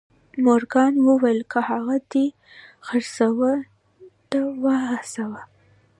مورګان وویل که هغه دې خرڅلاو ته وهڅاوه